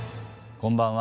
こんばんは。